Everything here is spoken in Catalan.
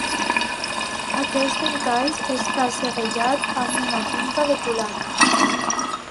Aquest encaix està segellat amb una junta de culata.